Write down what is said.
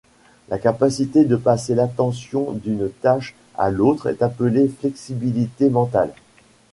La capacité de passer l'attention d'une tâche à l'autre est appelée flexibilité mentale.